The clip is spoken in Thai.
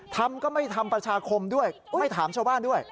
ทำก็ไม่ทำประชาคมด้วยไม่ถามชาวบ้านด้วย